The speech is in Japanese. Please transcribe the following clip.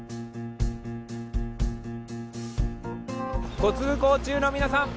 ご通行中の皆さん